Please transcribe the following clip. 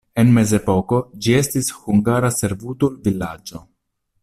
En mezepoko ĝi estis hungara servutul-vilaĝo.